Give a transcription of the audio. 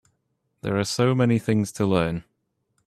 There are so many things to learn.